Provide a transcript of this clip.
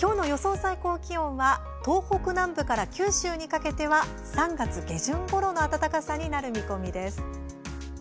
最高気温は東北南部から九州にかけては３月下旬ごろの暖かさになる見込みです。